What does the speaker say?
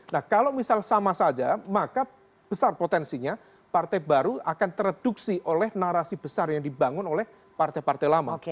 nah kalau misal sama saja maka besar potensinya partai baru akan tereduksi oleh narasi besar yang dibangun oleh partai partai lama